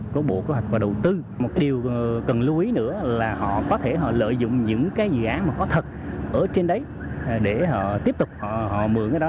có bộ kế hoạch và đầu tư một điều cần lưu ý nữa là họ có thể lợi dụng những dự án có thật ở trên đấy để họ tiếp tục mượn cái đó